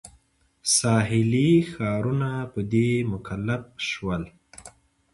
ساحلي ښارونه په دې مکلف شول.